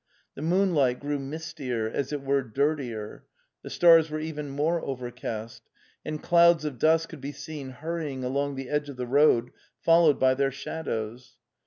'The moonlight grew mistier, as it were dirtier; the stars were even more overcast; and clouds of dust could be seen hurrying along the edge of the road, followed by their shadows.